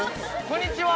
こんにちは。